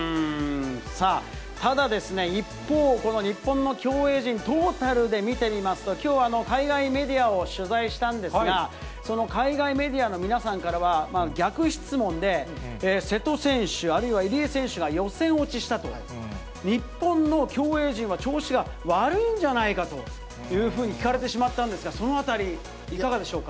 さあ、ただ、一方、この日本の競泳陣、トータルで見てみますと、きょう海外メディアを取材したんですが、その海外メディアの皆さんからは、逆質問で、瀬戸選手、あるいは入江選手が予選落ちしたと、日本の競泳陣は調子が悪いんじゃないかというふうに聞かれてしまったんですが、そのあたり、いかがでしょうか。